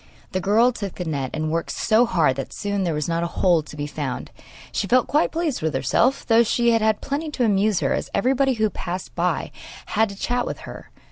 The girl took the net and worked so hard that soon there was not a hole to be found. She felt quite pleased with herself, though she had had plenty to amuse her, as everybody who passed by had stopped and had a chat with her.